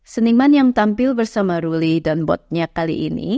seniman yang tampil bersama ruli dan botnya kali ini